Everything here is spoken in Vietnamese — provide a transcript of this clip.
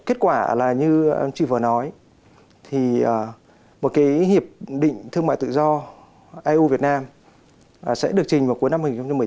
kết quả là như chị vừa nói một hiệp định thương mại tự do eu việt nam sẽ được trình vào cuối năm hai nghìn một mươi tám